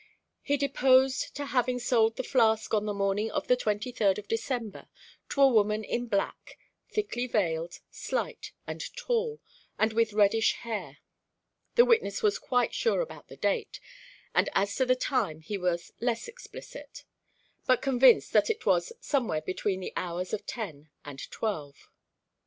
He deposed to having sold the flask on the morning of the twenty third of December, to a woman in black, thickly veiled, slight and tall, and with reddish hair. The witness was quite sure about the date, and as to the time he was less explicit, but convinced that it was somewhere between the hours of ten and twelve.